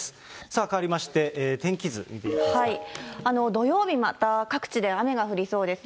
さあ、かわりまして、土曜日また各地で雨が降りそうです。